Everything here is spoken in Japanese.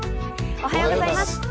おはようございます。